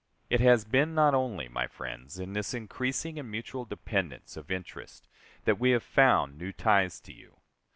It has been not only, my friends, in this increasing and mutual dependence of interest that we have found new ties to you.